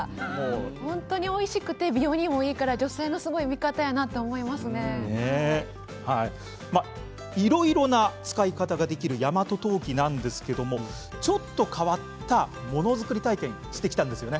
本当においしくて美容にもいいからいろいろな使い方ができる大和当帰なんですけれどちょっと変わったものづくり体験してきたんですよね。